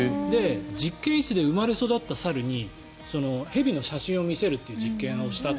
実験室で生まれ育った猿に蛇の写真を見せるという実験をした。